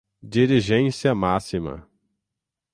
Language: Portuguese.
dirigência máxima